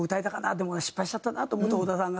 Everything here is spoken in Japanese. でも失敗しちゃったなと思うと小田さんがこうね